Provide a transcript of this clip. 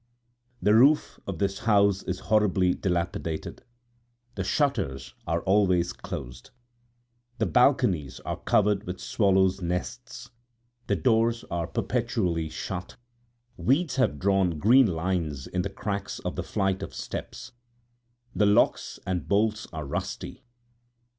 The roof of this house is horribly dilapidated, the shutters are always closed, the balconies are covered with swallows' nests, the doors are perpetually shut, weeds have drawn green lines in the cracks of the flights of steps, the locks and bolts are rusty.